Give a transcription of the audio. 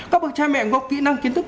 các bậc cha mẹ có kỹ năng kiến thức